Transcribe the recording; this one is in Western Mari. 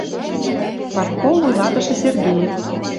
Партком вуйлатышы Сергеев.